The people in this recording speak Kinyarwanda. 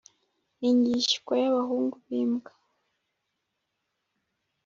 ni njyishywa ya bahungu bimbwa